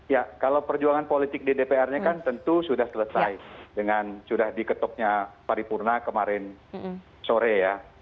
ya kalau perjuangan politik di dpr nya kan tentu sudah selesai dengan sudah diketoknya paripurna kemarin sore ya